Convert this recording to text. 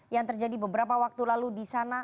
yang terjadi beberapa waktu lalu di sana